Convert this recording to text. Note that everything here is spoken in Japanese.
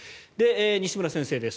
西村先生です。